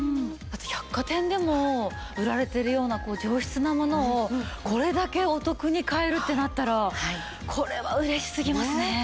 百貨店でも売られているような上質なものをこれだけお得に買えるってなったらこれは嬉しすぎますね。